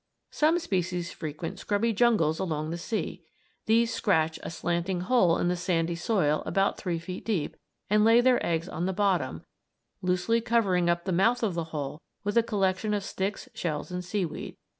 Some species frequent scrubby jungles along the sea. These scratch a slanting hole in the sandy soil about three feet deep and lay their eggs on the bottom, loosely covering up the mouth of the hole with a collection of sticks, shells, and seaweed.